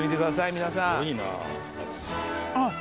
皆さんあ